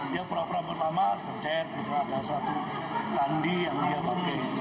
dia perap perap pertama pencet ada satu sandi yang dia panggil